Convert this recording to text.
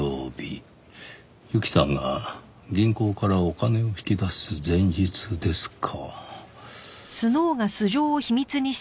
侑希さんが銀行からお金を引き出す前日ですか。